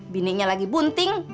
binenya lagi bunting